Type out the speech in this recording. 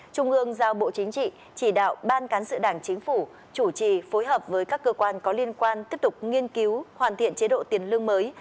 trung ương giao bộ chính trị chỉ đạo ban cán sự đảng chính phủ chủ trì phối hợp với các cơ quan có liên quan tiếp tục nghiên cứu hoàn thiện chế độ tiền lương mới